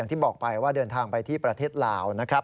ที่บอกไปว่าเดินทางไปที่ประเทศลาวนะครับ